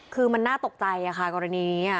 คือมันน่าตกใจค่ะกรณีนี้